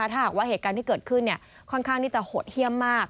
ถ้าหากว่าเหตุการณ์ที่เกิดขึ้นค่อนข้างที่จะหดเยี่ยมมาก